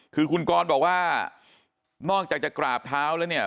คือคุณกรบอกว่านอกจากจะกราบเท้าแล้วเนี่ย